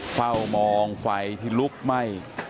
เฝ้ามองไฟที่ลุกไหม้